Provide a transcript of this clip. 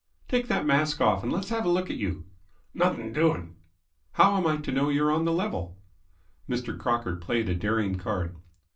"Take that mask off and let's have a look at you." "Nothing doin'." "How am I to know you're on the level?" Mr. Crocker played a daring card.